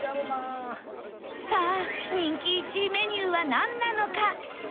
さあ人気１位メニューはなんなのか？